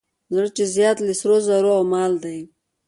زړه چې زیات له سرو زرو او ماله دی.